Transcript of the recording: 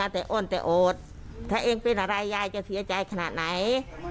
ถ้าเองเป็นอะไรยายจะเสียใจขนาดไหน